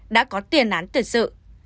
đã có tiền án tuyệt sự